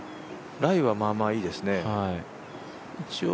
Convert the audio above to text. ライはまあまあいいですね。